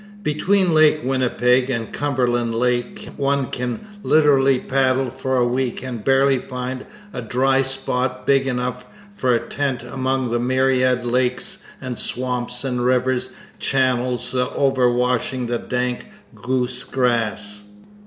Between Lake Winnipeg and Cumberland Lake one can literally paddle for a week and barely find a dry spot big enough for a tent among the myriad lakes and swamps and river channels overwashing the dank goose grass.